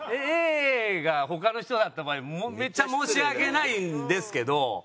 Ａが他の人だった場合めっちゃ申し訳ないんですけど。